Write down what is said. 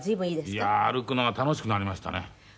いやあ歩くのが楽しくなりましたね。